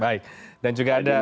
baik dan juga ada